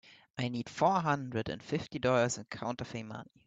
I need four hundred and fifty dollars in counterfeit money.